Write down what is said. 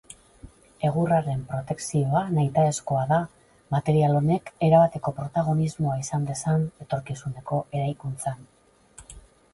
Egurraren protekzioa nahitaezkoa da material honek erabateko protagonismoa izan dezan etorkizuneko eraikuntzan.